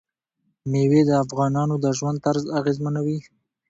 مېوې د افغانانو د ژوند طرز اغېزمنوي.